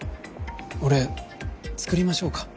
俺作りましょうか？